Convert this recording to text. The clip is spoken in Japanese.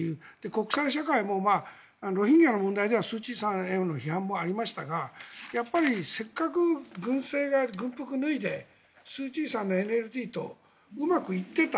国際社会もロヒンギャの問題ではスーチーさんへの批判もありましたがやっぱりせっかく軍政が軍服を脱いでスーチーさんのＮＬＤとうまくっていた。